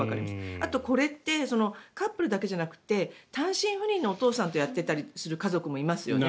あと、これってカップルだけじゃなくて単身赴任のお父さんとやっている家族もいますよね。